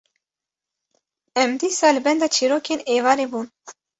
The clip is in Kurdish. em dîsa li benda çîrokên êvarê bûn.